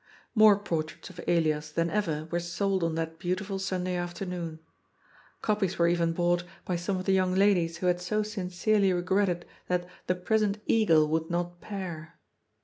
More portraits of Elias than ever were sold on that beautiful Sunday afternoon. Copies were even bought by KOOPSTAD CACKLES. 437 some of the young ladies who had so sincerely regretted that "the prisoned eagle would not pair."